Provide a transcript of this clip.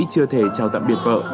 chưa thể chào tạm biệt vợ